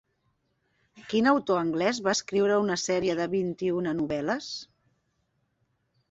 Quin autor anglès va escriure una sèrie de vint-i-una novel·les?